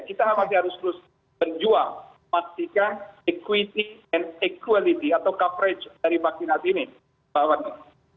kita masih harus terus menjual pastikan equity and equality atau coverage dari vaksinasi ini